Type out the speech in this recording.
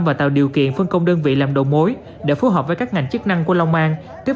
và tạo điều kiện phân công đơn vị làm đầu mối để phù hợp với các ngành chức năng của long an tiếp